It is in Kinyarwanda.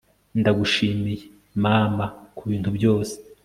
ndagushimiye, mama, kubintu byose